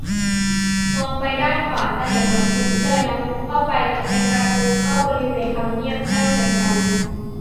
มองไปด้านขวาจะเห็นน้ำพุ เลยน้ำพุเข้าไปจะเป็นประตูเข้าบริเวณทำเนียบได้เหมือนกัน